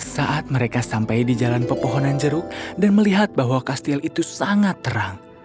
saat mereka sampai di jalan pepohonan jeruk dan melihat bahwa kastil itu sangat terang